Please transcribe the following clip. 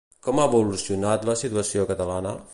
Com ha evolucionat la situació catalana?